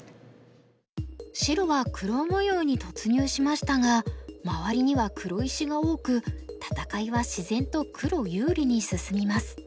白は黒模様に突入しましたが周りには黒石が多く戦いは自然と黒有利に進みます。